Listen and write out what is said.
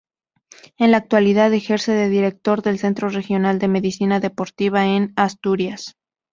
En la actualidad ejerce de Director del Centro Regional de Medicina Deportiva en Asturias.